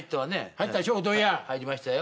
入りましたよ。